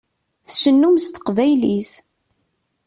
Tcennum s teqbaylit.